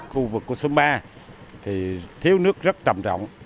khu vực của sông ba thì thiếu nước rất trầm trọng